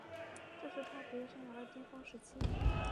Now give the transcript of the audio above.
这是他职业生涯的巅峰时期。